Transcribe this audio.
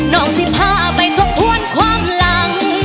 น้องสิบห้าไปทบทวนความหลัง